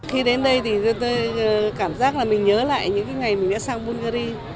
khi đến đây thì tôi cảm giác là mình nhớ lại những cái ngày mình đã sang bulgari